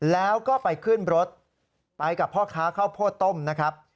แล้วก็ไปขึ้นรถไปกับพ่อค้าข้าวโพดต้มนะครับ